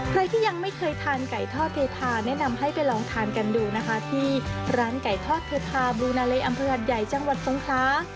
ใครที่ยังไม่เคยทานไก่ทอดเทพาแนะนำให้ไปลองทานกันดูนะคะที่ร้านไก่ทอดเทพาบลูนาเลอำเภอหัดใหญ่จังหวัดทรงคลา